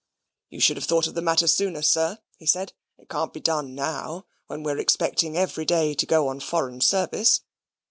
"You should have thought of the matter sooner, sir," he said. "It can't be done now, when we're expecting every day to go on foreign service.